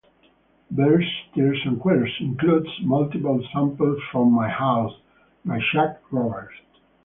"Beers, Steers and Queers" includes multiple samples from "My House" by Chuck Roberts.